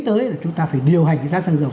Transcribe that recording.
tới là chúng ta phải điều hành cái giá xăng dầu